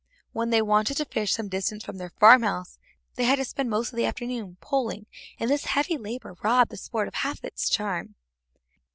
When they wanted to fish some distance down from their farmhouse, they had to spend most of the afternoon poling, and this heavy labor robbed the sport of half its charm.